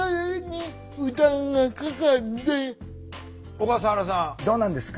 小笠原さんどうなんですか？